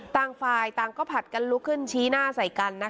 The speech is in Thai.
ต่างฝ่ายต่างก็ผัดกันลุกขึ้นชี้หน้าใส่กัน